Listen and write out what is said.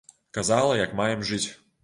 Казала, як маем жыць.